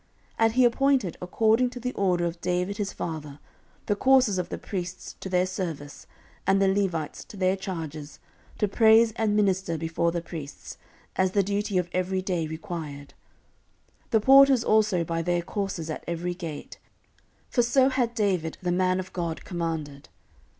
14:008:014 And he appointed, according to the order of David his father, the courses of the priests to their service, and the Levites to their charges, to praise and minister before the priests, as the duty of every day required: the porters also by their courses at every gate: for so had David the man of God commanded.